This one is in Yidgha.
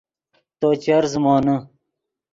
تو چر زیمونے